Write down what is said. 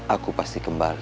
aku pasti kembali